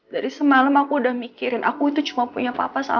dari semalem aku udah mikirin aku itu cuma punya papa sama mama